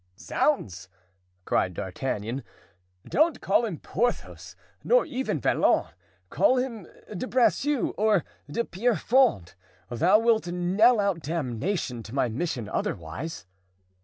"Zounds!" cried D'Artagnan, "don't call him Porthos, nor even Vallon; call him De Bracieux or De Pierrefonds; thou wilt knell out damnation to my mission otherwise."